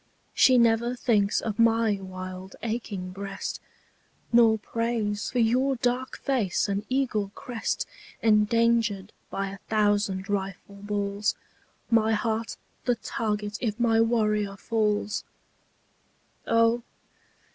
She never thinks of my wild aching breast, Nor prays for your dark face and eagle crest Endangered by a thousand rifle balls, My heart the target if my warrior falls. O!